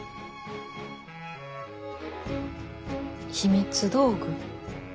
秘密道具。